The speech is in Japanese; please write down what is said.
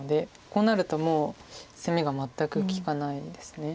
こうなるともう攻めが全く利かないです。